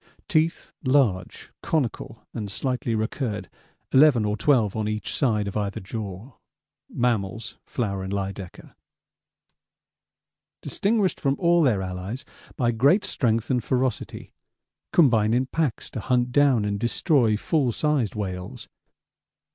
Teeth, large, conical, and slightly recurred, 11 or 12 on each side of either jaw. 'Mammals' Flower and Lydekker: 'Distinguished from all their allies by great strength and ferocity.' 'Combine in packs to hunt down and destroy ... full sized whales.'